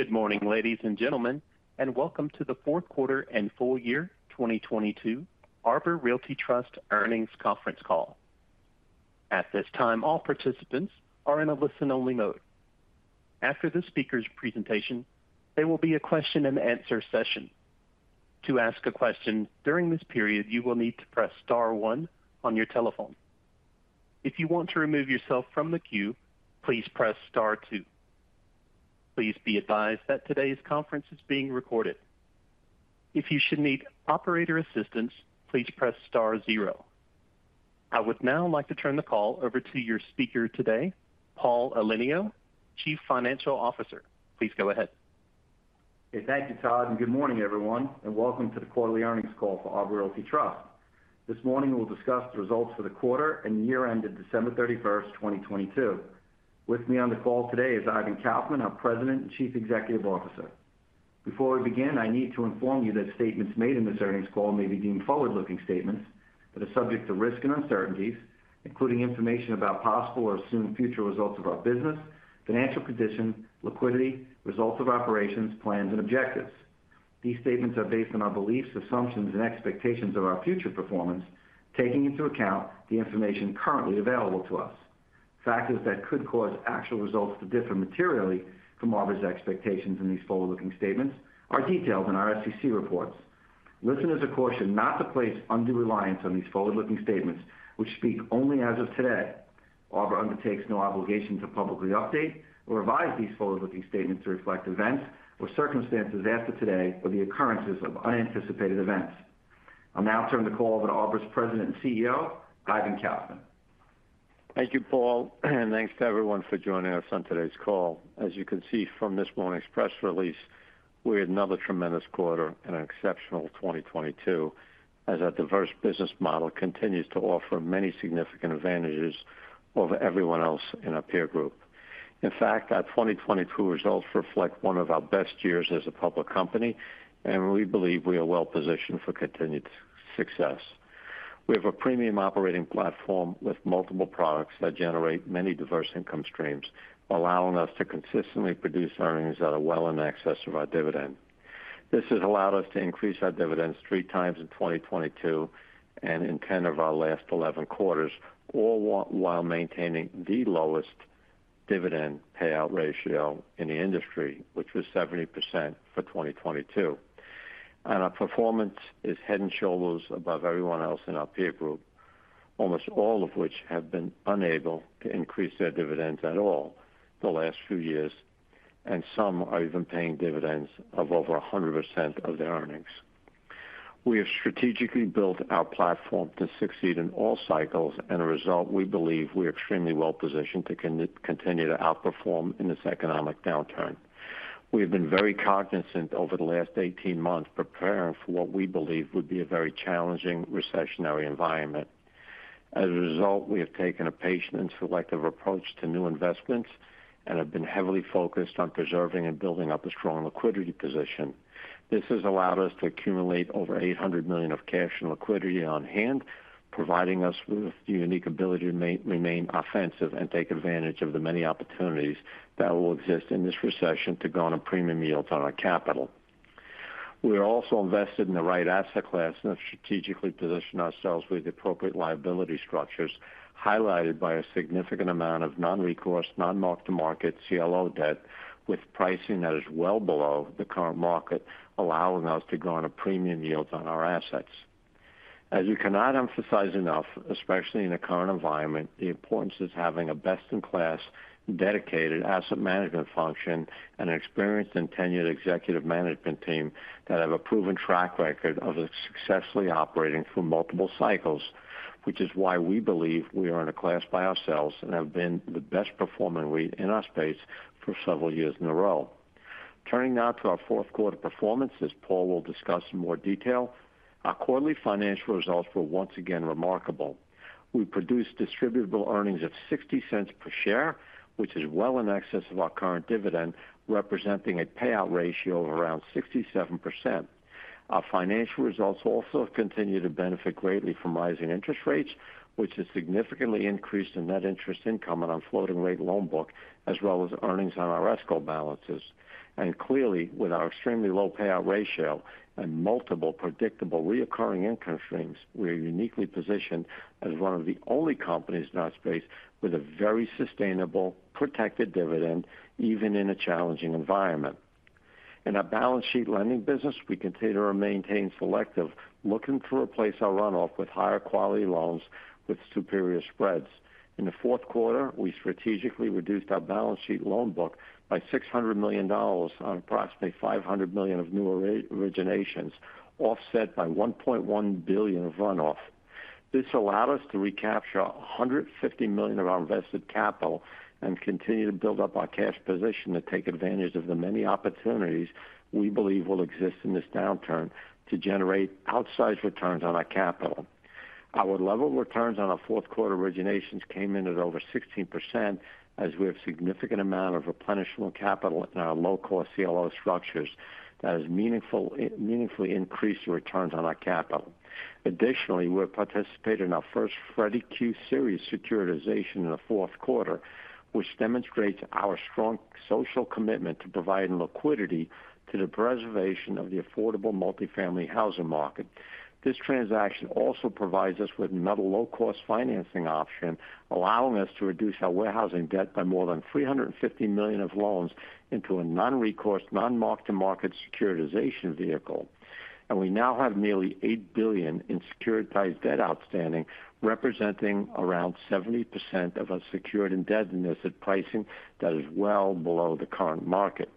Good morning, ladies and gentlemen, and welcome to the fourth quarter and full year 2022 Arbor Realty Trust earnings conference call. At this time, all participants are in a listen-only mode. After the speaker's presentation, there will be a Q&A session. To ask a question during this period, you will need to press star one on your telephone. If you want to remove yourself from the queue, please press star two. Please be advised that today's conference is being recorded. If you should need operator assistance, please press star zero. I would now like to turn the call over to your speaker today, Paul Elenio, Chief Financial Officer. Please go ahead. Thank you, Todd. Good morning, everyone. Welcome to the quarterly earnings call for Arbor Realty Trust. This morning we'll discuss the results for the quarter and year-end of December 31st, 2022. With me on the call today is Ivan Kaufman, our President and Chief Executive Officer. Before we begin, I need to inform you that statements made in this earnings call may be deemed forward-looking statements that are subject to risk and uncertainties, including information about possible or assumed future results of our business, financial condition, liquidity, results of operations, plans, and objectives. These statements are based on our beliefs, assumptions, and expectations of our future performance, taking into account the information currently available to us. Factors that could cause actual results to differ materially from Arbor's expectations in these forward-looking statements are detailed in our SEC reports. Listeners are cautioned not to place undue reliance on these forward-looking statements, which speak only as of today. Arbor undertakes no obligation to publicly update or revise these forward-looking statements to reflect events or circumstances after today or the occurrences of unanticipated events. I'll now turn the call over to Arbor's President and CEO, Ivan Kaufman. Thank you, Paul, and thanks to everyone for joining us on today's call. As you can see from this morning's press release, we had another tremendous quarter and an exceptional 2022 as our diverse business model continues to offer many significant advantages over everyone else in our peer group. In fact, our 2022 results reflect one of our best years as a public company and we believe we are well positioned for continued success. We have a premium operating platform with multiple products that generate many diverse income streams, allowing us to consistently produce earnings that are well in excess of our dividend. This has allowed us to increase our dividends three times in 2022 and in 10 of our last 11 quarters, all while maintaining the lowest dividend payout ratio in the industry, which was 70% for 2022. Our performance is head and shoulders above everyone else in our peer group, almost all of which have been unable to increase their dividends at all the last few years, and some are even paying dividends of over 100% of their earnings. We have strategically built our platform to succeed in all cycles and a result we believe we're extremely well positioned to continue to outperform in this economic downturn. We have been very cognizant over the last 18 months preparing for what we believe would be a very challenging recessionary environment. As a result, we have taken a patient and selective approach to new investments and have been heavily focused on preserving and building up a strong liquidity position. This has allowed us to accumulate over $800 million of cash and liquidity on hand, providing us with the unique ability to remain offensive and take advantage of the many opportunities that will exist in this recession to go on a premium yield on our capital. We are also invested in the right asset class and have strategically positioned ourselves with appropriate liability structures, highlighted by a significant amount of non-recourse, non-mark-to-market CLO debt with pricing that is well below the current market, allowing us to go on a premium yield on our assets. As we cannot emphasize enough, especially in the current environment, the importance is having a best-in-class dedicated asset management function and an experienced and tenured executive management team that have a proven track record of successfully operating through multiple cycles, which is why we believe we are in a class by ourselves and have been the best performing lead in our space for several years in a row. Turning now to our fourth quarter performance, as Paul will discuss in more detail, our quarterly financial results were once again remarkable. We produced distributable earnings of $0.60 per share, which is well in excess of our current dividend, representing a payout ratio of around 67%. Our financial results also continue to benefit greatly from rising interest rates, which has significantly increased in net interest income on our floating rate loan book, as well as earnings on our escrow balances. Clearly, with our extremely low payout ratio and multiple predictable recurring income streams, we are uniquely positioned as one of the only companies in our space with a very sustainable, protected dividend, even in a challenging environment. In our balance sheet lending business, we continue to maintain selective, looking to replace our run off with higher quality loans with superior spreads. In the fourth quarter, we strategically reduced our balance sheet loan book by $600 million on approximately $500 million of new originations, offset by $1.1 billion of run off. This allowed us to recapture $150 million of our invested capital and continue to build up our cash position to take advantage of the many opportunities we believe will exist in this downturn to generate outsized returns on our capital. Our level of returns on our fourth quarter originations came in at over 16% as we have significant amount of replenishable capital in our low-cost CLO structures that has meaningfully increased returns on our capital. We have participated in our first Freddie Mac Q-Series securitization in the fourth quarter, which demonstrates our strong social commitment to providing liquidity to the preservation of the affordable multifamily housing market. This transaction also provides us with another low-cost financing option, allowing us to reduce our warehousing debt by more than $350 million of loans into a non-recourse, non-mark-to-market securitization vehicle. We now have nearly $8 billion in securitized debt outstanding, representing around 70% of our secured indebtedness at pricing that is well below the current market.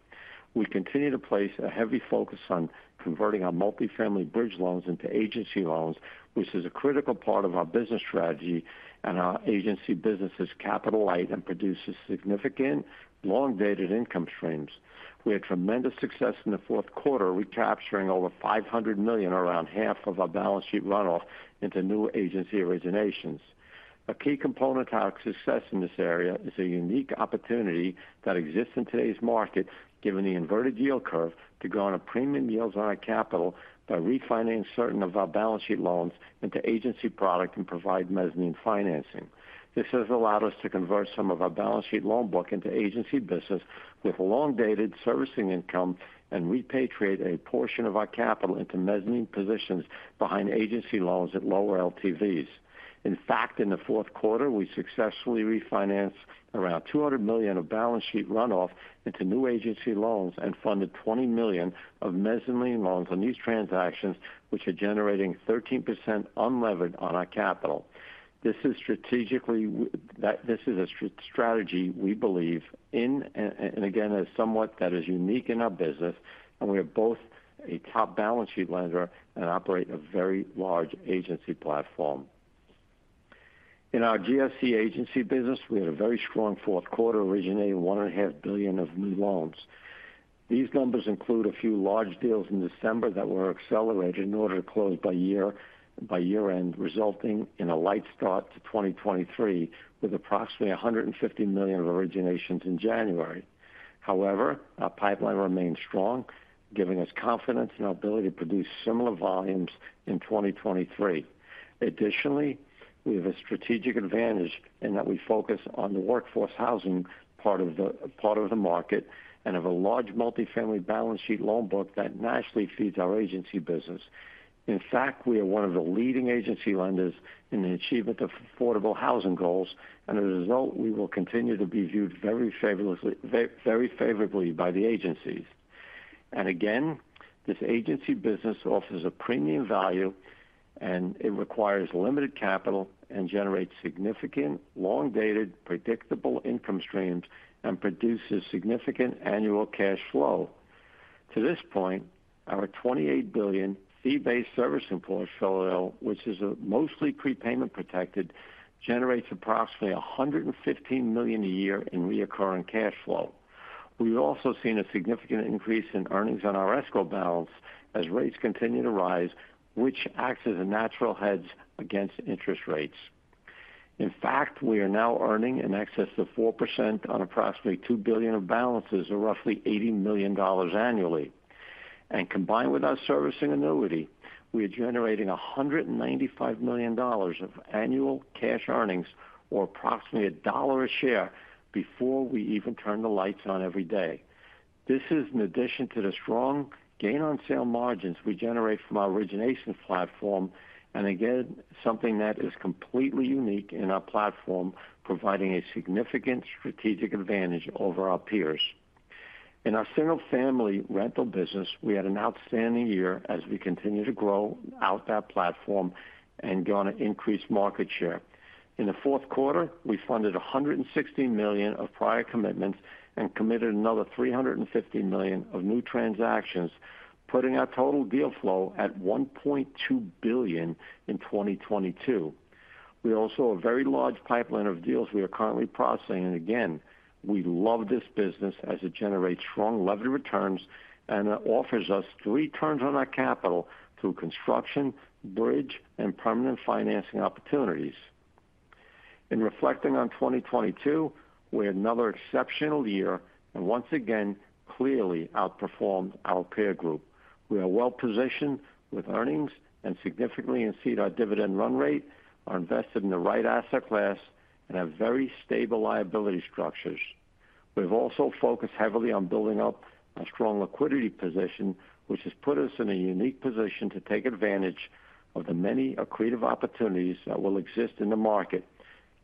We continue to place a heavy focus on converting our multifamily bridge loans into agency loans, which is a critical part of our business strategy, and our agency business is capital light and produces significant long-dated income streams. We had tremendous success in the fourth quarter, recapturing over $500 million, around half of our balance sheet runoff into new agency originations. A key component to our success in this area is a unique opportunity that exists in today's market, given the inverted yield curve to go on a premium yields on our capital by refinancing certain of our balance sheet loans into agency product and provide mezzanine financing. This has allowed us to convert some of our balance sheet loan book into agency business with long-dated servicing income and repatriate a portion of our capital into mezzanine positions behind agency loans at lower LTVs. In fact, in the fourth quarter, we successfully refinanced around $200 million of balance sheet runoff into new agency loans and funded $20 million of mezzanine loans on these transactions, which are generating 13% unlevered on our capital. This is strategically a strategy we believe in and again, is somewhat that is unique in our business, and we are both a top balance sheet lender and operate a very large agency platform. In our GSE agency business, we had a very strong fourth quarter, originating $1.5 billion of new loans. These numbers include a few large deals in December that were accelerated in order to close by year-end, resulting in a light start to 2023, with approximately $150 million of originations in January. However, our pipeline remains strong, giving us confidence in our ability to produce similar volumes in 2023. Additionally, we have a strategic advantage in that we focus on the workforce housing part of the market and have a large multifamily balance sheet loan book that naturally feeds our agency business. In fact, we are one of the leading agency lenders in the achievement of affordable housing goals, and as a result, we will continue to be viewed very favorably by the agencies. Again, this agency business offers a premium value, and it requires limited capital and generates significant long-dated, predictable income streams and produces significant annual cash flow. To this point, our $28 billion fee-based servicing portfolio, which is mostly prepayment protected, generates approximately $115 million a year in recurring cash flow. We've also seen a significant increase in earnings on our escrow balance as rates continue to rise which acts as a natural hedge against interest rates. In fact, we are now earning in excess of 4% on approximately $2 billion of balances or roughly $80 million annually. Combined with our servicing annuity, we are generating $195 million of annual cash earnings or approximately $1 a share before we even turn the lights on every day. This is in addition to the strong gain on sale margins we generate from our origination platform, and again, something that is completely unique in our platform, providing a significant strategic advantage over our peers. In our single-family rental business, we had an outstanding year as we continue to grow out that platform and gain an increased market share. In the fourth quarter, we funded $160 million of prior commitments and committed another $350 million of new transactions, putting our total deal flow at $1.2 billion in 2022. We also have a very large pipeline of deals we are currently processing. Again, we love this business as it generates strong levered returns and offers us three turns on our capital through construction, bridge, and permanent financing opportunities. In reflecting on 2022, we had another exceptional year and once again clearly outperformed our peer group. We are well-positioned with earnings and significantly exceed our dividend run rate are invested in the right asset class and have very stable liability structures. We've also focused heavily on building up a strong liquidity position, which has put us in a unique position to take advantage of the many accretive opportunities that will exist in the market,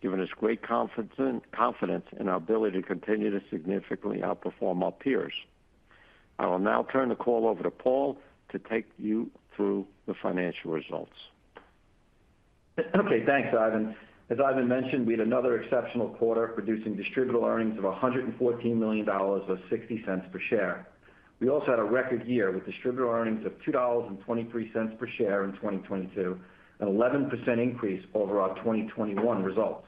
giving us great confidence in our ability to continue to significantly outperform our peers. I will now turn the call over to Paul to take you through the financial results. Okay, thanks, Ivan. As Ivan mentioned, we had another exceptional quarter producing distributable earnings of $114 million or $0.60 per share. We also had a record year with distributable earnings of $2.23 per share in 2022, an 11% increase over our 2021 results.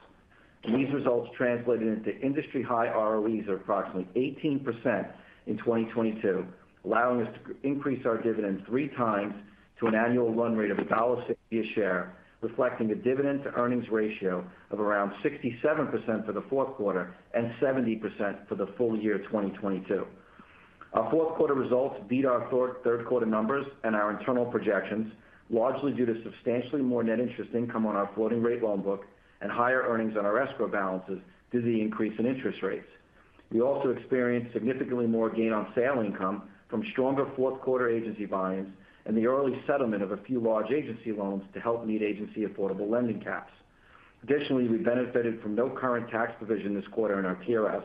These results translated into industry high ROEs of approximately 18% in 2022, allowing us to increase our dividend three times to an annual run rate of $1.60 a share, reflecting a dividend to earnings ratio of around 67% for the fourth quarter and 70% for the full year 2022. Our fourth quarter results beat our third quarter numbers and our internal projections, largely due to substantially more net interest income on our floating rate loan book and higher earnings on our escrow balances due to the increase in interest rates. We also experienced significantly more gain on sale income from stronger fourth quarter agency volumes and the early settlement of a few large agency loans to help meet agency affordable lending caps. Additionally, we benefited from no current tax provision this quarter in our TRS,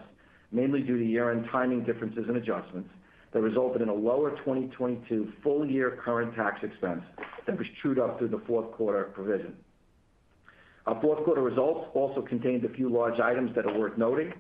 mainly due to year-end timing differences and adjustments that resulted in a lower 2022 full year current tax expense that was trued up through the fourth quarter provision. Our fourth quarter results also contained a few large items that are worth noting.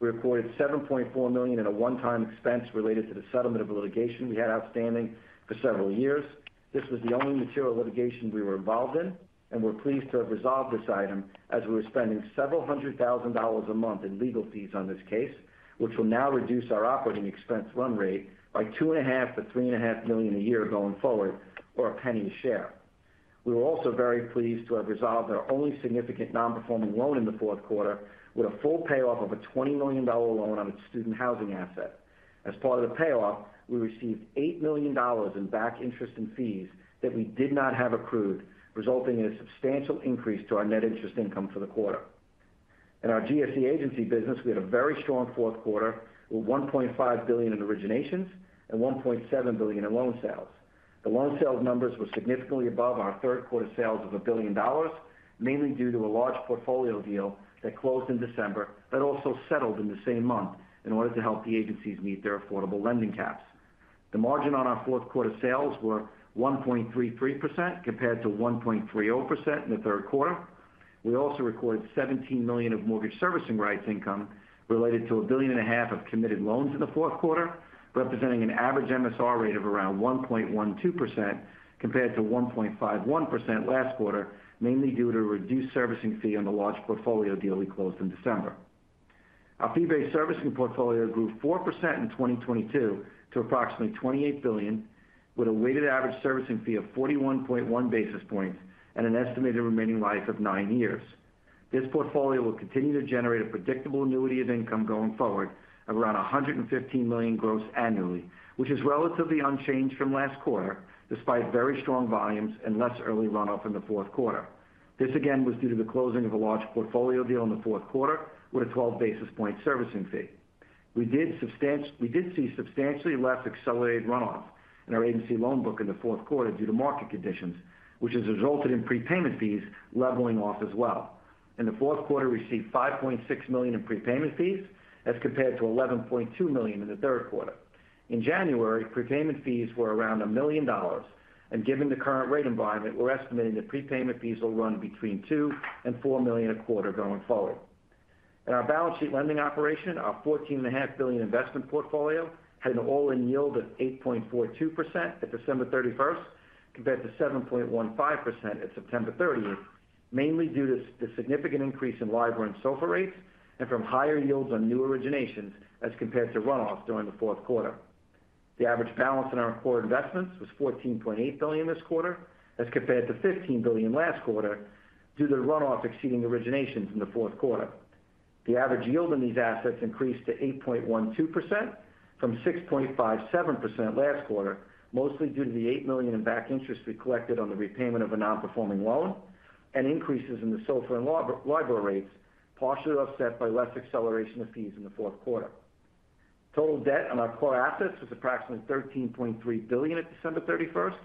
We reported $7.4 million in a one-time expense related to the settlement of litigation we had outstanding for several years. This was the only material litigation we were involved in and we're pleased to have resolved this item as we were spending several hundred thousand dollars a month in legal fees on this case, which will now reduce our operating expense run rate by $2.5 million-$3.5 million a year going forward, or $0.01 a share. We were also very pleased to have resolved our only significant non-performing loan in the fourth quarter with a full payoff of a $20 million loan on its student housing asset. As part of the payoff, we received $8 million in back interest and fees that we did not have accrued, resulting in a substantial increase to our net interest income for the quarter. In our GSE agency business, we had a very strong fourth quarter, with $1.5 billion in originations and $1.7 billion in loan sales. The loan sales numbers were significantly above our third quarter sales of $1 billion, mainly due to a large portfolio deal that closed in December, but also settled in the same month in order to help the agencies meet their affordable lending caps. The margin on our fourth quarter sales were 1.33% compared to 1.30% in the third quarter. We also recorded $17 million of mortgage servicing rights income related to a billion and a half of committed loans in the fourth quarter, representing an average MSR rate of around 1.12% compared to 1.51% last quarter, mainly due to a reduced servicing fee on the large portfolio deal we closed in December. Our fee-based servicing portfolio grew 4% in 2022 to approximately $28 billion, with a weighted average servicing fee of 41.1 basis points and an estimated remaining life of nine years. This portfolio will continue to generate a predictable annuity of income going forward of around $115 million gross annually, which is relatively unchanged from last quarter, despite very strong volumes and less early run off in the fourth quarter. This again, was due to the closing of a large portfolio deal in the fourth quarter with a 12 basis point servicing fee. We did see substantially less accelerated runoff in our agency loan book in the fourth quarter due to market conditions, which has resulted in prepayment fees leveling off as well. In the fourth quarter, we received $5.6 million in prepayment fees as compared to $11.2 million in the third quarter. In January, prepayment fees were around $1 million. Given the current rate environment, we're estimating that prepayment fees will run between $2 million and $4 million a quarter going forward. In our balance sheet lending operation, our fourteen and a half billion investment portfolio had an all-in yield of 8.42% at December 31st, compared to 7.15% at September 30th, mainly due to the significant increase in LIBOR and SOFR rates and from higher yields on new originations as compared to runoffs during the fourth quarter. The average balance in our core investments was $14.8 billion this quarter, as compared to $15 billion last quarter, due to runoffs exceeding originations in the fourth quarter. The average yield on these assets increased to 8.12% from 6.57% last quarter, mostly due to the $8 million in back interest we collected on the repayment of a non-performing loan and increases in the SOFR and LIBOR rates, partially offset by less acceleration of fees in the fourth quarter. Total debt on our core assets was approximately $13.3 billion at December 31st,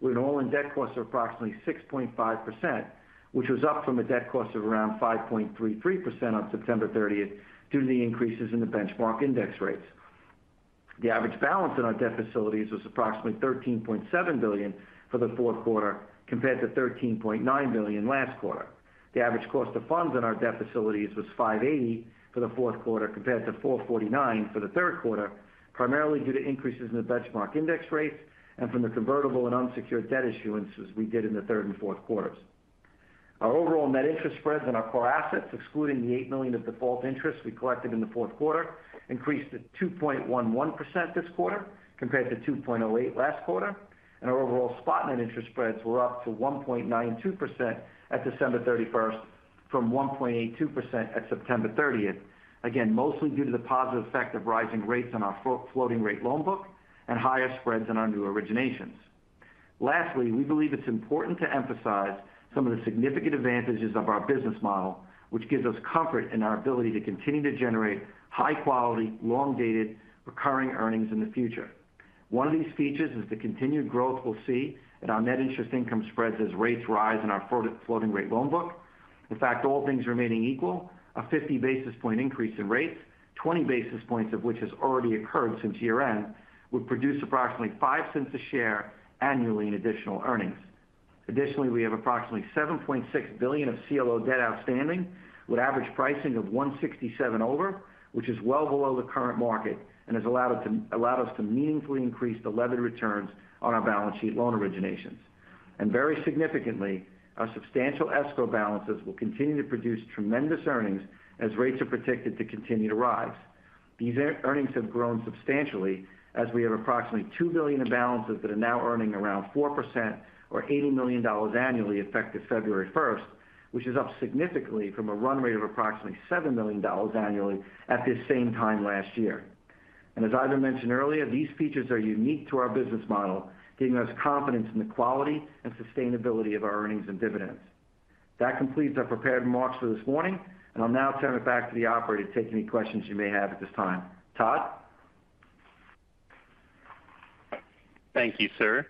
with an all-in debt cost of approximately 6.5%, which was up from a debt cost of around 5.33% on September 30th due to the increases in the benchmark index rates. The average balance in our debt facilities was approximately $13.7 billion for the fourth quarter, compared to $13.9 billion last quarter. The average cost of funds in our debt facilities was 5.80 for the fourth quarter compared to 4.49 for the third quarter, primarily due to increases in the benchmark index rates and from the convertible and unsecured debt issuances we did in the third and fourth quarters. Our overall net interest spreads on our core assets, excluding the $8 million of default interest we collected in the fourth quarter, increased to 2.11% this quarter compared to 2.08 last quarter, and our overall spot net interest spreads were up to 1.92% at December 31st from 1.82% at September 30th. Again, mostly due to the positive effect of rising rates on our floating rate loan book and higher spreads in our new originations. Lastly, we believe it's important to emphasize some of the significant advantages of our business model, which gives us comfort in our ability to continue to generate high quality, long-dated, recurring earnings in the future. One of these features is the continued growth we'll see in our net interest income spreads as rates rise in our floating rate loan book. In fact, all things remaining equal, a 50 basis point increase in rates, 20 basis points of which has already occurred since year-end, would produce approximately $0.05 a share annually in additional earnings. Additionally, we have approximately $7.6 billion of CLO debt outstanding with average pricing of 167 over, which is well below the current market and has allowed us to meaningfully increase the levered returns on our balance sheet loan originations. Very significantly, our substantial escrow balances will continue to produce tremendous earnings as rates are predicted to continue to rise. These earnings have grown substantially as we have approximately $2 billion in balances that are now earning around 4% or $80 million annually effective February first, which is up significantly from a run rate of approximately $7 million annually at this same time last year. As Ivan mentioned earlier, these features are unique to our business model, giving us confidence in the quality and sustainability of our earnings and dividends. That completes our prepared remarks for this morning. I'll now turn it back to the operator to take any questions you may have at this time. Todd? Thank you, sir.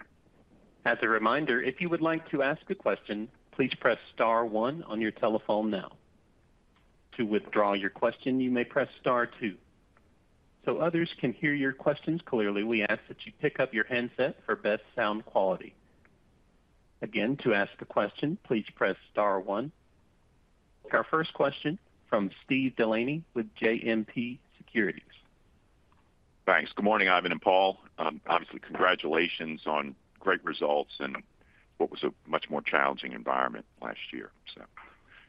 As a reminder, if you would like to ask a question, please press star one on your telephone now. To withdraw your question, you may press star two. Others can hear your questions clearly, we ask that you pick up your handset for best sound quality. Again, to ask a question, please press star one. Our first question from Steve DeLaney with JMP Securities. Thanks. Good morning, Ivan and Paul. Obviously, congratulations on great results in what was a much more challenging environment last year.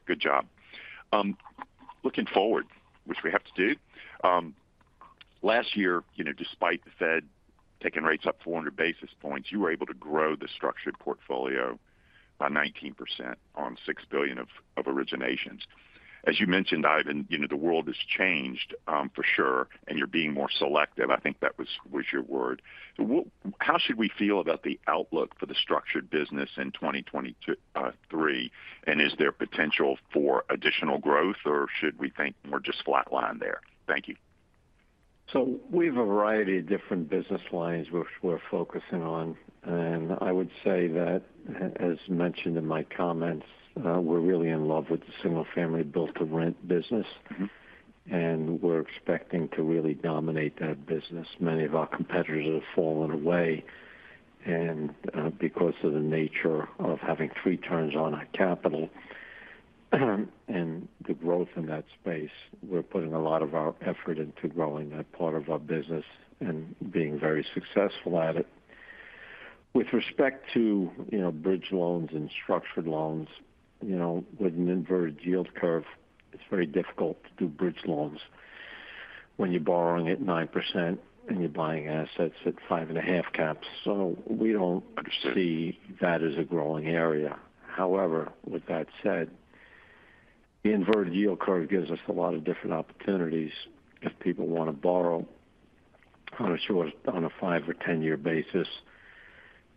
Good job. Looking forward, which we have to do, last year, you know, despite the Fed taking rates up 400 basis points, you were able to grow the structured portfolio by 19% on $6 billion of originations. As you mentioned, Ivan, you know, the world has changed, for sure, and you're being more selective. I think that was your word. How should we feel about the outlook for the structured business in 2023? Is there potential for additional growth, or should we think more just flatline there? Thank you. We have a variety of different business lines which we're focusing on. I would say that, as mentioned in my comments, we're really in love with the single family build-to-rent business. Mm-hmm. We're expecting to really dominate that business. Many of our competitors have fallen away. Because of the nature of having three turns on our capital and the growth in that space, we're putting a lot of our effort into growing that part of our business and being very successful at it. With respect to, you know, bridge loans and structured loans, you know, with an inverted yield curve, it's very difficult to do bridge loans when you're borrowing at 9% and you're buying assets at 5.5 caps. Understand... see that as a growing area. With that said, the inverted yield curve gives us a lot of different opportunities if people want to borrow on a five or 10-year basis,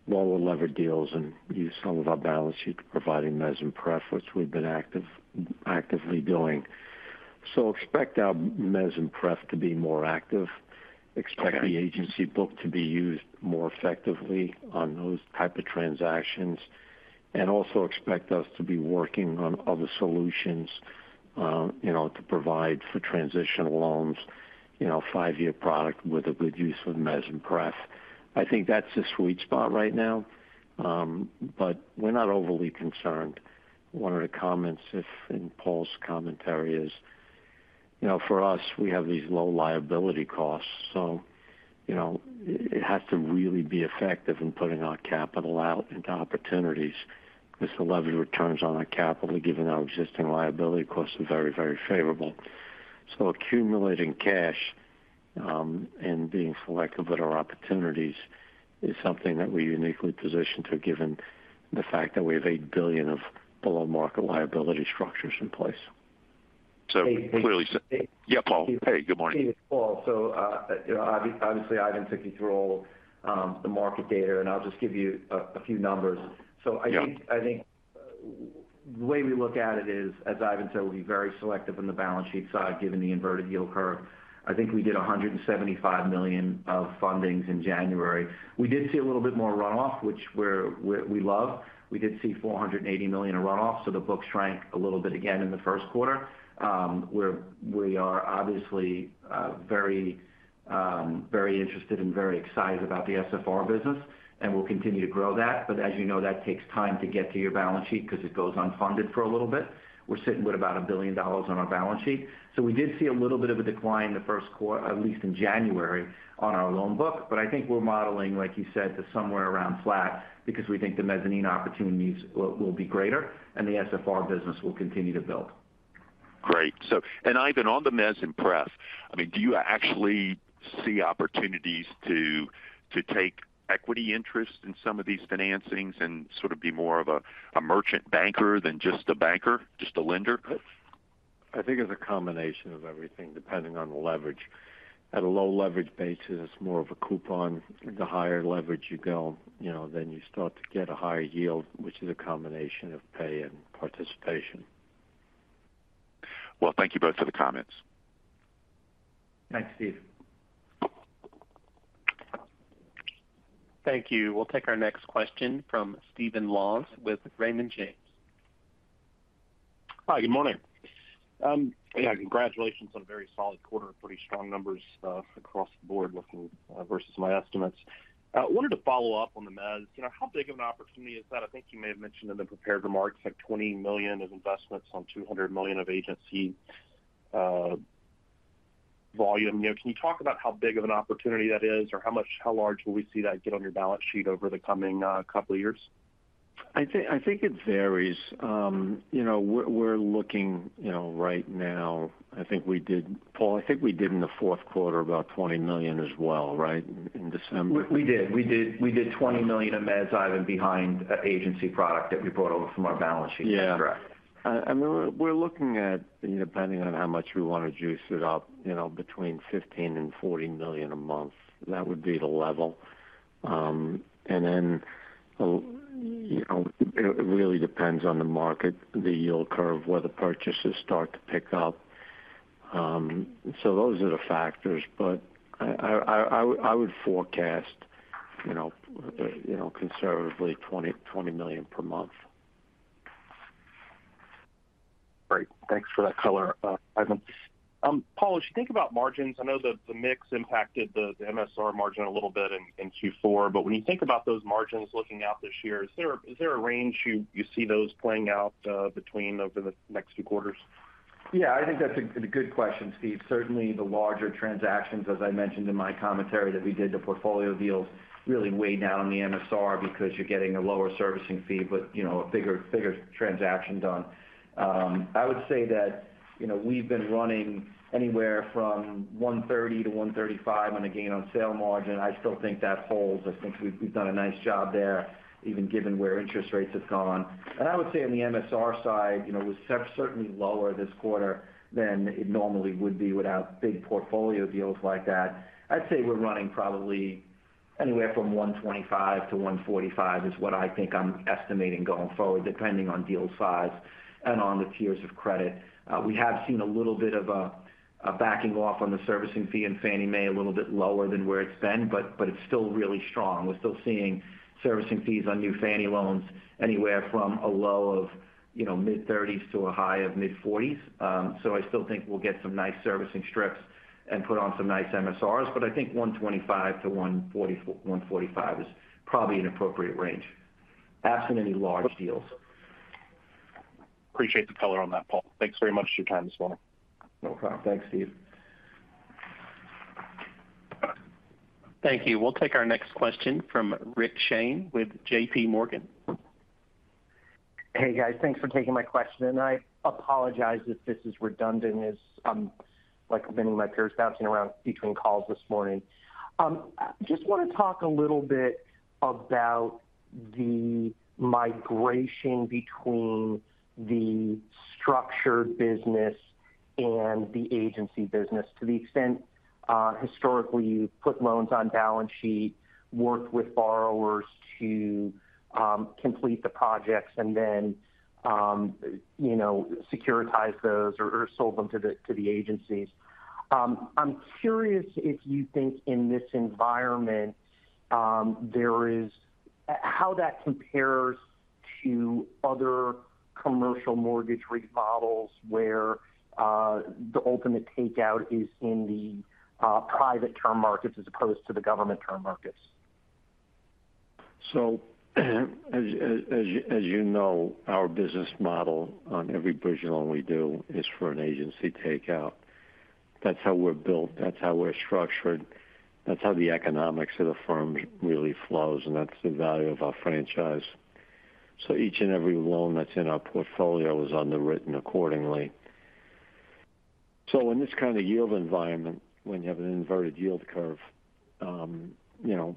lower leverage deals and use some of our balance sheet to providing mezz and pref, which we've been actively doing. Expect our mezz and pref to be more active. Okay. Expect the agency book to be used more effectively on those type of transactions, also expect us to be working on other solutions, you know, to provide for transitional loans, you know, a five-year product with a good use of mezz and pref. I think that's the sweet spot right now. We're not overly concerned. One of the comments in Paul's commentary is, you know, for us, we have these low liability costs, so you know, it has to really be effective in putting our capital out into opportunities with the levered returns on our capital, given our existing liability costs are very, very favorable. Accumulating cash, and being selective with our opportunities is something that we're uniquely positioned to, given the fact that we have $8 billion of below-market liability structures in place. clearly... They-they- Yeah, Paul. Hey, good morning. It's Paul. you know, obviously, Ivan took you through all, the market data, and I'll just give you a few numbers. Yeah. I think the way we look at it is, as Ivan said, we'll be very selective on the balance sheet side given the inverted yield curve. I think we did $175 million of fundings in January. We did see a little bit more runoff, which we love. We did see $480 million in runoff. The books rank a little bit again in the first quarter. We are obviously very interested and very excited about the SFR business, and we'll continue to grow that. As you know, that takes time to get to your balance sheet because it goes unfunded for a little bit. We're sitting with about $1 billion on our balance sheet. We did see a little bit of a decline in the first quarter in January on our loan book. I think we're modeling, like you said, to somewhere around flat because we think the mezzanine opportunities will be greater and the SFR business will continue to build. Great. Ivan on the mezz and pref, I mean, do you actually see opportunities to take equity interest in some of these financings and sort of be more of a merchant banker than just a banker, just a lender? I think it's a combination of everything, depending on the leverage. At a low leverage basis, more of a coupon. The higher leverage you go, you know, then you start to get a higher yield, which is a combination of pay and participation. Well, thank you both for the comments. Thanks, Steve. Thank you. We'll take our next question from Stephen Laws with Raymond James. Hi, good morning. Yeah, congratulations on a very solid quarter. Pretty strong numbers across the board looking versus my estimates. Wanted to follow up on the mezz. You know, how big of an opportunity is that? I think you may have mentioned in the prepared remarks, like $20 million of investments on $200 million of agency volume. You know, can you talk about how big of an opportunity that is or how large will we see that get on your balance sheet over the coming couple of years? I think it varies. you know, we're looking, you know, right now. I think we did, Paul, I think we did in the fourth quarter about $20 million as well, right? In December. We did. We did $20 million of mezz item behind an agency product that we brought over from our balance sheet. Yeah. Correct. I mean, we're looking at, you know, depending on how much we want to juice it up, you know, between $15 million and $40 million a month. That would be the level. Then, you know, it really depends on the market, the yield curve, whether purchases start to pick up. Those are the factors. I would forecast, you know, conservatively $20 million per month. Great. Thanks for that color, Ivan. Paul, as you think about margins, I know that the mix impacted the MSR margin a little bit in Q4. When you think about those margins looking out this year, is there a, is there a range you see those playing out, between over the next few quarters? Yeah, I think that's a good question, Steve. The larger transactions, as I mentioned in my commentary that we did the portfolio deals really weigh down the MSR because you're getting a lower servicing fee, you know, a bigger transaction done. I would say that, you know, we've been running anywhere from 130% to 135% on a gain on sale margin. I still think that holds. I think we've done a nice job there, even given where interest rates have gone. I would say on the MSR side, you know, we're certainly lower this quarter than it normally would be without big portfolio deals like that. I'd say we're running probably anywhere from 125% to 145% is what I think I'm estimating going forward, depending on deal size and on the tiers of credit. We have seen a little bit of a backing off on the servicing fee in Fannie Mae, a little bit lower than where it's been, but it's still really strong. We're still seeing servicing fees on new Fannie loans anywhere from a low of, you know, mid-thirties to a high of mid-forties. I still think we'll get some nice servicing strips and put on some nice MSRs. I think 125-145 is probably an appropriate range, absent any large deals. Appreciate the color on that, Paul. Thanks very much for your time this morning. No problem. Thanks, Steve. Thank you. We'll take our next question from Rick Shane with JPMorgan. Hey, guys. Thanks for taking my question. I apologize if this is redundant as, like many of my peers bouncing around between calls this morning. Just wanna talk a little bit about the migration between the structured business and the agency business to the extent historically, you've put loans on balance sheet, worked with borrowers to complete the projects and then, you know, securitize those or sold them to the agencies. I'm curious if you think in this environment, how that compares to other commercial mortgage rate models where the ultimate takeout is in the private term markets as opposed to the government term markets. As you know, our business model on every bridge loan we do is for an agency takeout. That's how we're built, that's how we're structured, that's how the economics of the firm really flows, and that's the value of our franchise. Each and every loan that's in our portfolio is underwritten accordingly. In this kind of yield environment, when you have an inverted yield curve, you know,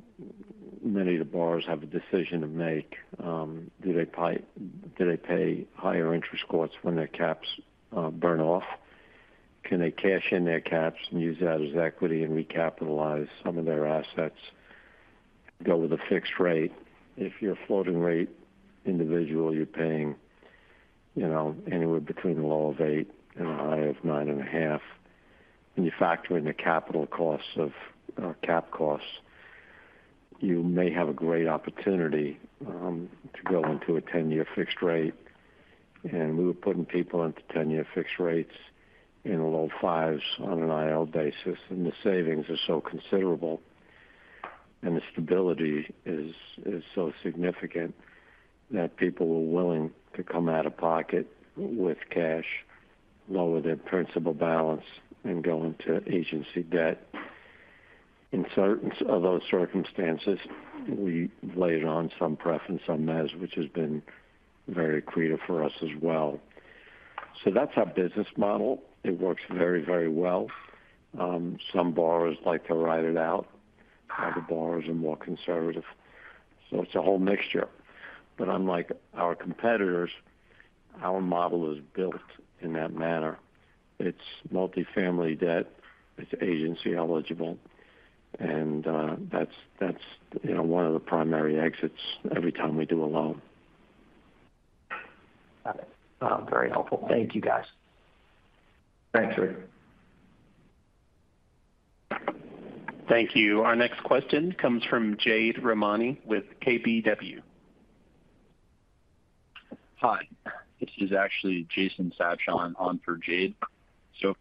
many of the borrowers have a decision to make. Do they pay higher interest costs when their caps burn off? Can they cash in their caps and use that as equity and recapitalize some of their assets, go with a fixed rate? If you're a floating rate individual, you're paying, you know, anywhere between a low of eight and a high of nine and a half, when you factor in the capital costs of cap costs, you may have a great opportunity to go into a 10-year fixed rate. We were putting people into 10-year fixed rates in the low fives on an IO basis, and the savings are so considerable and the stability is so significant that people were willing to come out of pocket with cash, lower their principal balance, and go into agency debt. In certain of those circumstances, we laid on some pref and some mezz, which has been very accretive for us as well. That's our business model. It works very, very well. Some borrowers like to ride it out. Other borrowers are more conservative. It's a whole mixture. Unlike our competitors, our model is built in that manner. It's multifamily debt, it's agency eligible, and, that's, you know, one of the primary exits every time we do a loan. Got it. Very helpful. Thank you, guys. Thanks, Rick. Thank you. Our next question comes from Jade Rahmani with KBW. Hi. This is actually Jason Sabshon on for Jade. A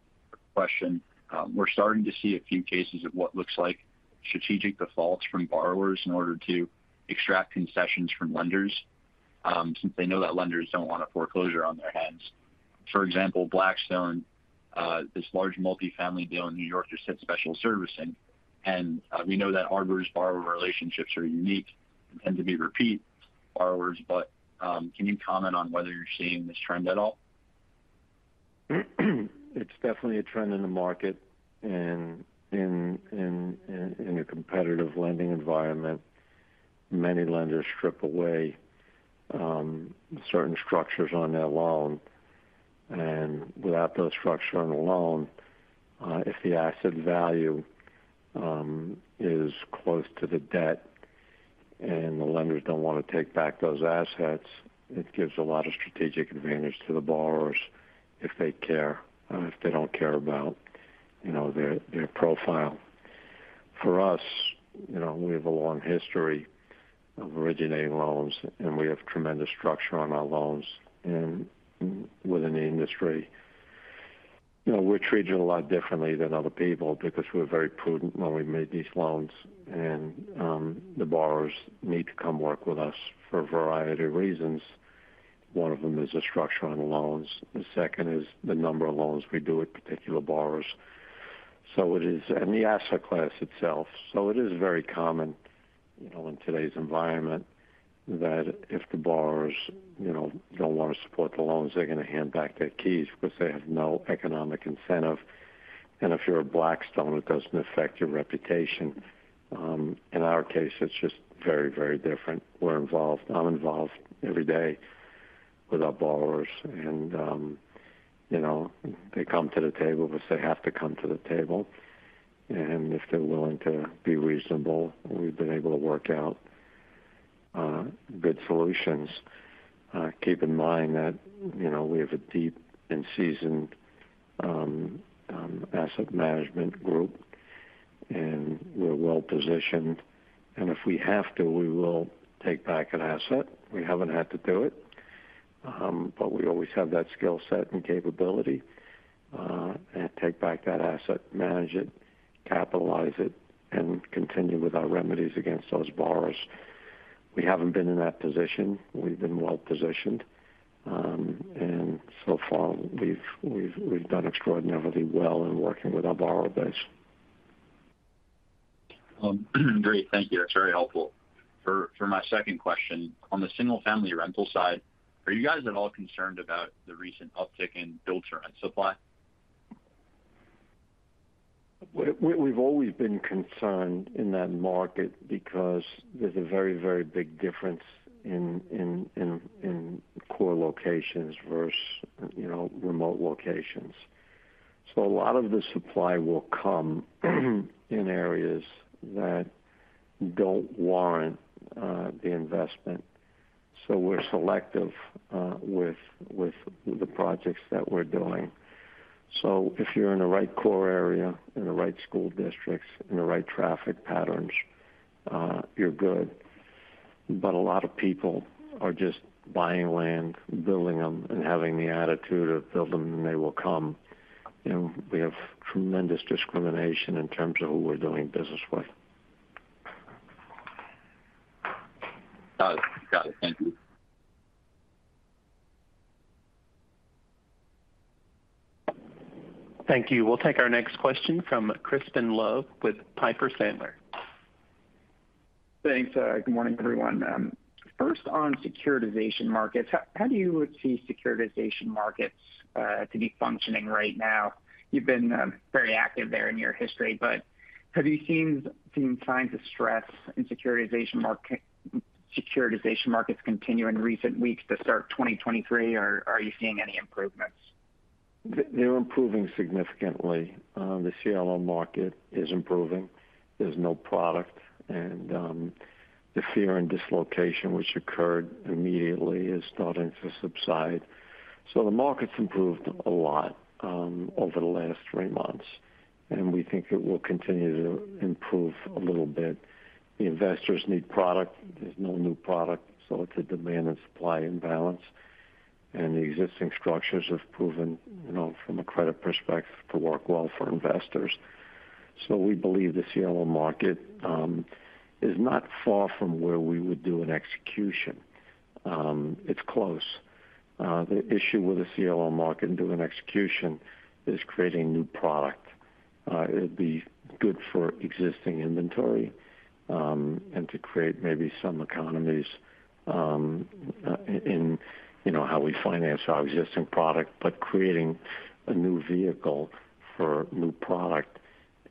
question. We're starting to see a few cases of what looks like strategic defaults from borrowers in order to extract concessions from lenders. Since they know that lenders don't want a foreclosure on their hands. For example, Blackstone, this large multifamily deal in New York just hit special servicing. We know that Arbor's borrower relationships are unique and tend to be repeat borrowers. Can you comment on whether you're seeing this trend at all? It's definitely a trend in the market and in a competitive lending environment. Many lenders strip away certain structures on their loan. Without those structure on a loan, if the asset value is close to the debt and the lenders don't want to take back those assets, it gives a lot of strategic advantage to the borrowers if they care, if they don't care about, you know, their profile. For us, you know, we have a long history of originating loans, and we have tremendous structure on our loans. Within the industry, you know, we're treated a lot differently than other people because we're very prudent when we made these loans. The borrowers need to come work with us for a variety of reasons. One of them is the structure on the loans. The second is the number of loans we do with particular borrowers. The asset class itself. It is very common, you know, in today's environment that if the borrowers, you know, don't want to support the loans, they're gonna hand back their keys because they have no economic incentive. If you're a Blackstone, it doesn't affect your reputation. In our case, it's just very, very different. We're involved. I'm involved every day with our borrowers and, you know, they come to the table because they have to come to the table. If they're willing to be reasonable, we've been able to work out good solutions. Keep in mind that, you know, we have a deep and seasoned asset management group, and we're well positioned. If we have to, we will take back an asset. We haven't had to do it. We always have that skill set and capability, and take back that asset, manage it, capitalize it, and continue with our remedies against those borrowers. We haven't been in that position. We've been well positioned. So far we've done extraordinarily well in working with our borrower base. Great. Thank you. That's very helpful. For my second question, on the single-family rental side, are you guys at all concerned about the recent uptick in build-to-rent supply? We've always been concerned in that market because there's a very, very big difference in core locations versus, you know, remote locations. A lot of the supply will come in areas that don't warrant the investment. We're selective with the projects that we're doing. If you're in the right core area, in the right school districts, in the right traffic patterns, you're good. A lot of people are just buying land, building them, and having the attitude of build them, and they will come. You know, we have tremendous discrimination in terms of who we're doing business with. Got it. Thank you. Thank you. We'll take our next question from Crispin Love with Piper Sandler. Thanks. Good morning, everyone. First, on securitization markets, how do you see securitization markets to be functioning right now? You've been very active there in your history, but have you seen signs of stress in securitization markets continue in recent weeks to start 2023, or are you seeing any improvements? They're improving significantly. The CLO market is improving. There's no product. The fear and dislocation which occurred immediately is starting to subside. The market's improved a lot over the last three months, and we think it will continue to improve a little bit. The investors need product. There's no new product, so it's a demand and supply imbalance. The existing structures have proven, you know, from a credit perspective, to work well for investors. We believe the CLO market is not far from where we would do an execution. It's close. The issue with the CLO market and doing execution is creating new product. It would be good for existing inventory, and to create maybe some economies in, you know, how we finance our existing product. Creating a new vehicle for new product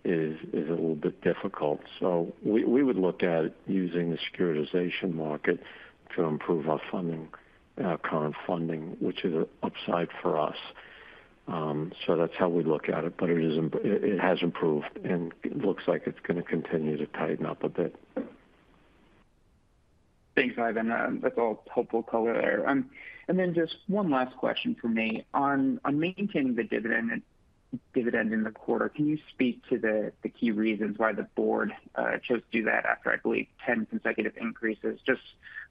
is a little bit difficult. We would look at using the securitization market to improve our funding, our current funding, which is an upside for us. That's how we look at it. It has improved, and it looks like it's gonna continue to tighten up a bit. Thanks, Ivan. That's all helpful color there. Just one last question from me. On maintaining the dividend in the quarter, can you speak to the key reasons why the board chose to do that after, I believe, 10 consecutive increases? Just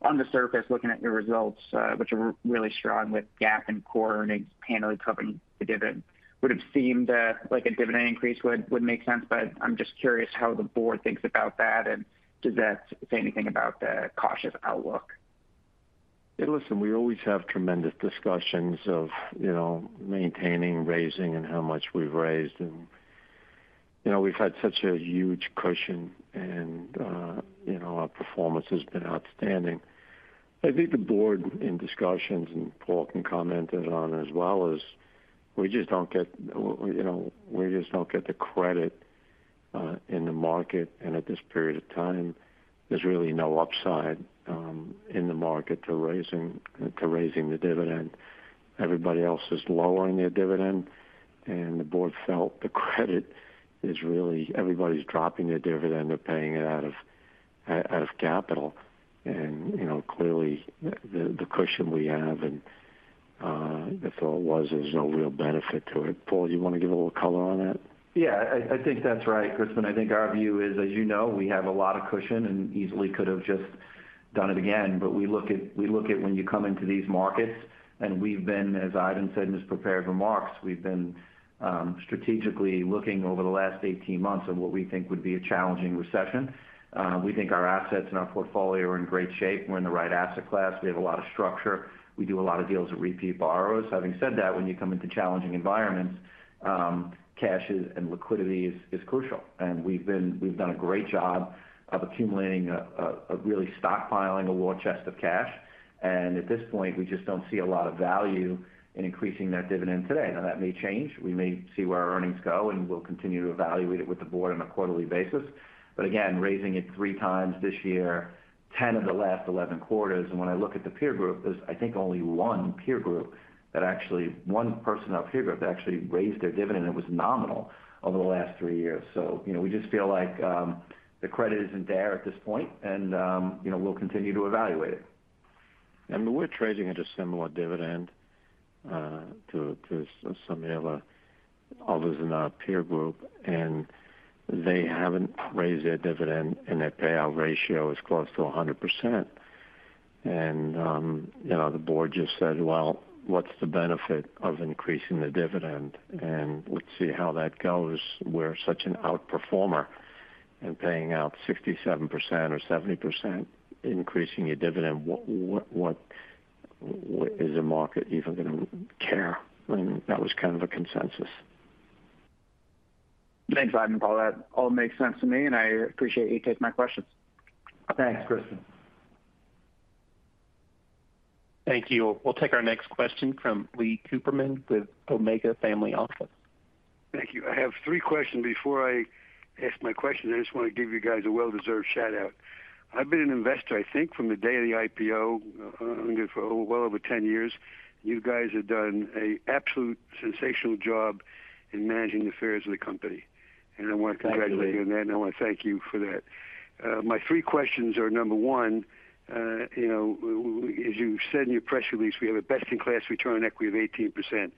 on the surface, looking at your results, which are really strong with GAAP and core earnings handily covering the dividend, would have seemed like a dividend increase would make sense. I'm just curious how the board thinks about that, and does that say anything about the cautious outlook? Hey, listen, we always have tremendous discussions of, you know, maintaining, raising, and how much we've raised. You know, we've had such a huge cushion and, you know, our performance has been outstanding. I think the board in discussions, and Paul can comment it on as well, is we just don't get, you know, we just don't get the credit in the market. At this period of time, there's really no upside in the market to raising the dividend. Everybody else is lowering their dividend, and the board felt the credit is really everybody's dropping their dividend. They're paying it out of capital. You know, clearly the cushion we have and I thought was there's no real benefit to it. Paul, do you want to give a little color on that? Yeah. I think that's right, Crispin. I think our view is, as you know, we have a lot of cushion and easily could have just done it again. We look at, we look at when you come into these markets, and we've been, as Ivan said in his prepared remarks, we've been strategically looking over the last 18 months of what we think would be a challenging recession. We think our assets and our portfolio are in great shape. We're in the right asset class. We have a lot of structure. We do a lot of deals with repeat borrowers. Having said that, when you come into challenging environments, cashes and liquidity is crucial. We've done a great job of accumulating really stockpiling a war chest of cash. At this point, we just don't see a lot of value in increasing that dividend today. Now, that may change. We may see where our earnings go, and we'll continue to evaluate it with the board on a quarterly basis. Again, raising it three times this year, 10 of the last 11 quarters. When I look at the peer group, there's, I think, only one peer group and actually one person or peer group that actually raised their dividend. It was nominal over the last three years. You know, we just feel like the credit isn't there at this point, and, you know, we'll continue to evaluate it. We're trading at a similar dividend to some of the others in our peer group. They haven't raised their dividend, and their payout ratio is close to 100%. You know, the board just said, "Well, what's the benefit of increasing the dividend? And let's see how that goes." We're such an outperformer and paying out 67% or 70%, increasing your dividend, what is the market even going to care? That was kind of a consensus. Thanks, Ivan. Paul. That all makes sense to me and I appreciate you taking my questions. Thanks, Crispin. Thank you. We'll take our next question from Lee Cooperman with Omega Family Office. Thank you. I have three questions. Before I ask my question, I just want to give you guys a well-deserved shout-out. I've been an investor, I think from the day of the IPO, owned it for well over 10 years. You guys have done a absolute sensational job in managing the affairs of the company. I want to congratulate you on that and I want to thank you for that. My three questions are, number one, you know, as you said in your press release, we have a best-in-class return on equity of 18%.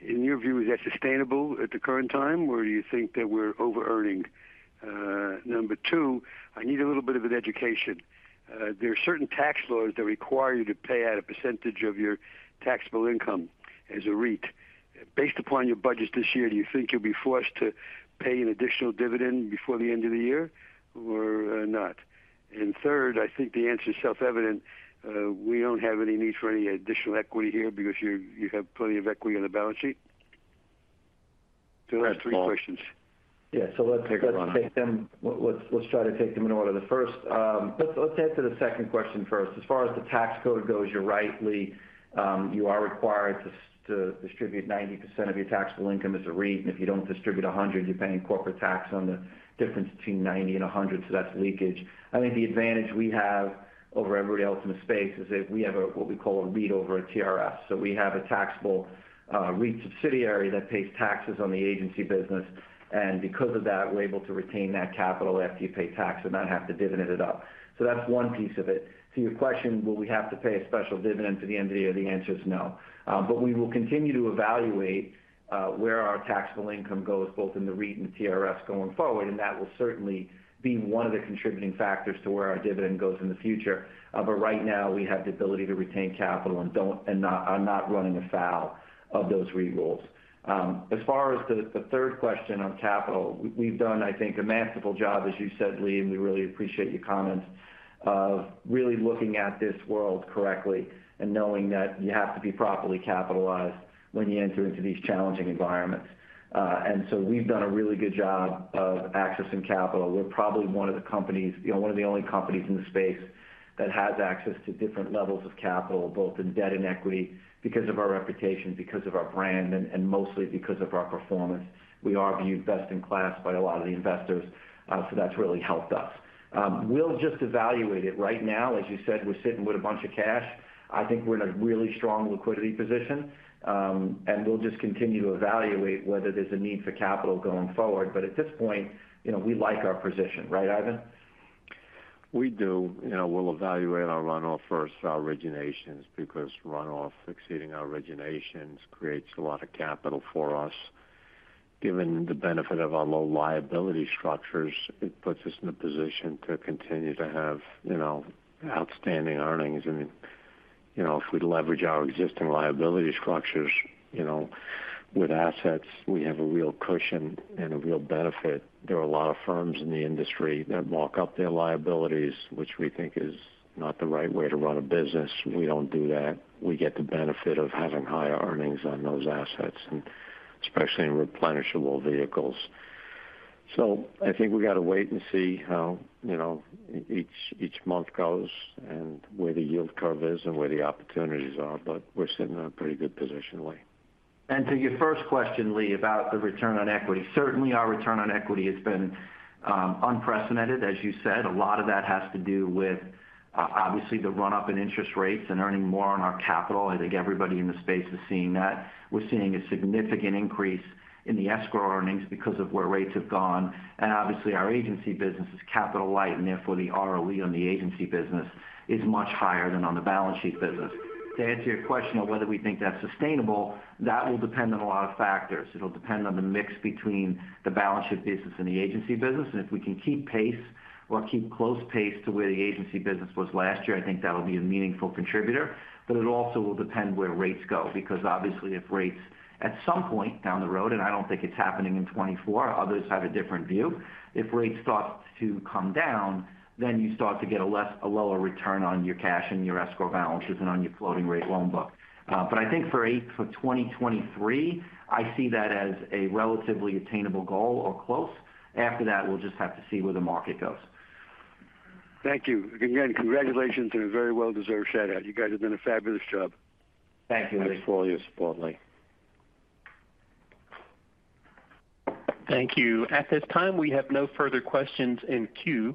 In your view, is that sustainable at the current time, or do you think that we're overearning? Number two, I need a little bit of an education. There are certain tax laws that require you to pay out a percentage of your taxable income as a REIT. Based upon your budget this year, do you think you'll be forced to pay an additional dividend before the end of the year or not? Third, I think the answer is self-evident. We don't have any need for any additional equity here because you have plenty of equity on the balance sheet. Those are three questions. Thanks, Paul. Yeah. Take a run at it. Let's try to take them in order. The first, let's answer the second question first. As far as the tax code goes, you're right, Lee. You are required to distribute 90% of your taxable income as a REIT. If you don't distribute 100, you're paying corporate tax on the difference between 90 and 100, so that's leakage. I think the advantage we have over everybody else in the space is that we have what we call a REIT over a TRS. We have a taxable REIT subsidiary that pays taxes on the agency business. Because of that, we're able to retain that capital after you pay tax and not have to dividend it up. That's one piece of it. To your question, will we have to pay a special dividend to the end of the year? The answer is no. We will continue to evaluate where our taxable income goes both in the REIT and TRS going forward, and that will certainly be one of the contributing factors to where our dividend goes in the future. Right now we have the ability to retain capital and are not running afoul of those REIT rules. As far as the third question on capital, we've done, I think, a masterful job, as you said Lee, and we really appreciate your comments of really looking at this world correctly and knowing that you have to be properly capitalized when you enter into these challenging environments. We've done a really good job of accessing capital. We're probably one of the companies, you know, one of the only companies in the space that has access to different levels of capital, both in debt and equity, because of our reputation, because of our brand, and mostly because of our performance. We are viewed best in class by a lot of the investors. That's really helped us. We'll just evaluate it. Right now, as you said, we're sitting with a bunch of cash. I think we're in a really strong liquidity position. We'll just continue to evaluate whether there's a need for capital going forward. At this point, you know, we like our position. Right, Ivan? We do. You know, we'll evaluate our runoff versus our originations because runoff exceeding our originations creates a lot of capital for us. Given the benefit of our low liability structures, it puts us in a position to continue to have, you know, outstanding earnings. I mean, you know, if we leverage our existing liability structures, with assets, we have a real cushion and a real benefit. There are a lot of firms in the industry that mark up their liabilities, which we think is not the right way to run a business. We don't do that. We get the benefit of having higher earnings on those assets, and especially in replenishable vehicles. I think we gotta wait and see how, you know, each month goes and where the yield curve is and where the opportunities are, but we're sitting in a pretty good position, Lee. To your first question, Lee, about the return on equity. Certainly, our return on equity has been unprecedented, as you said. A lot of that has to do with obviously the run-up in interest rates and earning more on our capital. I think everybody in this space is seeing that. We're seeing a significant increase in the escrow earnings because of where rates have gone. Obviously, our agency business is capital light, and therefore the ROE on the agency business is much higher than on the balance sheet business. To answer your question on whether we think that's sustainable, that will depend on a lot of factors. It'll depend on the mix between the balance sheet business and the agency business. If we can keep pace or keep close pace to where the agency business was last year, I think that'll be a meaningful contributor. It also will depend where rates go, because obviously if rates at some point down the road, and I don't think it's happening in 2024, others have a different view. If rates start to come down, then you start to get a lower return on your cash and your escrow balances and on your floating rate loan book. I think for 2023, I see that as a relatively attainable goal or close. After that, we'll just have to see where the market goes. Thank you. Again, congratulations on a very well-deserved shout-out. You guys have done a fabulous job. Thank you, Lee. Thanks for all your support, Lee. Thank you. At this time, we have no further questions in queue.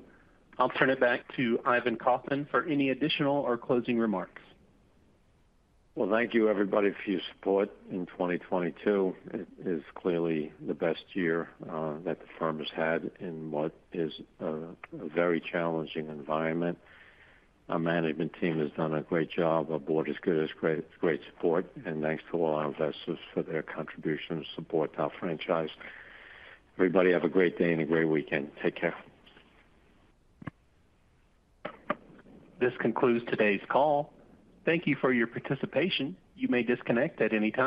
I'll turn it back to Ivan Kaufman for any additional or closing remarks. Well, thank you everybody for your support in 2022. It is clearly the best year that the firm has had in what is a very challenging environment. Our management team has done a great job. Our board is good. It's great support and thanks to all our investors for their contribution and support to our franchise. Everybody have a great day and a great weekend. Take care. This concludes today's call. Thank you for your participation. You may disconnect at any time.